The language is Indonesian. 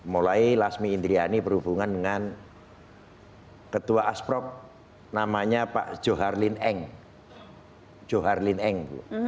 mulai lasmi indrayani berhubungan dengan ketua asprog namanya pak johar lee eng